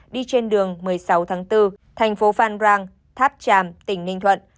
đi trên đường một mươi sáu tháng bốn thành phố phan rang tháp tràm tỉnh ninh thuận